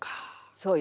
そうよ。